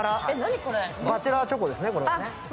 バチェラーチョコですね。